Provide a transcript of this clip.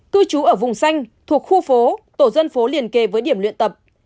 cư trú ở vùng xanh thuộc khu phố tổ dân phố liền kề với điểm luyện tập